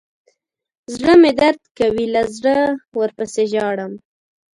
زړه مې درد کوي له زړه ورپسې ژاړم.